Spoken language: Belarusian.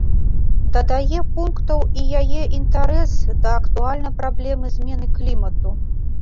Дадае пунктаў і яе інтарэс да актуальнай праблемы змены клімату.